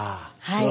はい。